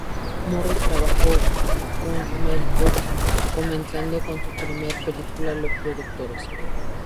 Morris trabajó con Mel Brooks, comenzando con su primera película "Los productores".